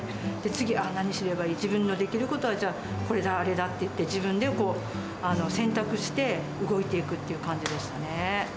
次、何すればいい、自分のできることは、じゃあ、これだ、あれだって言って、自分で選択して動いていくっていう感じでしたね。